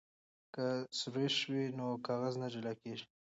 که سريښ وي نو کاغذ نه جلا کیږي.